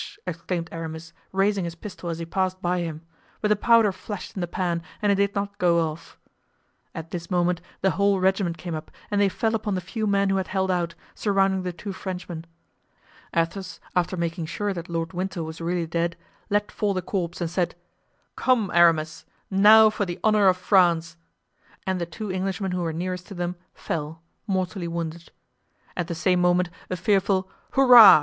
exclaimed Aramis, raising his pistol as he passed by him; but the powder flashed in the pan and it did not go off. At this moment the whole regiment came up and they fell upon the few men who had held out, surrounding the two Frenchmen. Athos, after making sure that Lord Winter was really dead, let fall the corpse and said: "Come, Aramis, now for the honor of France!" and the two Englishmen who were nearest to them fell, mortally wounded. At the same moment a fearful "hurrah!"